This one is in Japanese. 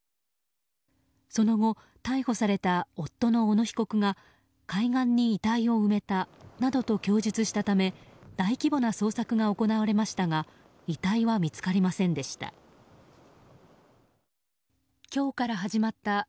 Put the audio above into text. その後逮捕された夫の小野被告が海岸に遺体を埋めたなどと供述したため大規模な捜索が行われましたが遺体は見つかりませんでした。